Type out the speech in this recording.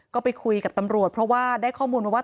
ก็ไปคุยกับตำรวจเพราะว่าได้ข้อมูลมาว่า